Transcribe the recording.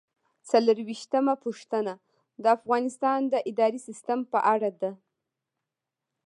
څلرویشتمه پوښتنه د افغانستان د اداري سیسټم په اړه ده.